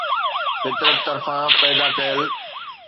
فطرت طرفان پيدا ڪيل